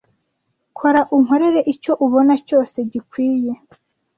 kora unkorere icyo ubona cyose gikwiye